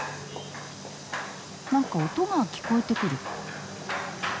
何か音が聞こえてくる。